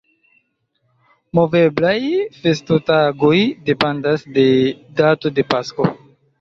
Moveblaj festotagoj dependas de dato de Pasko.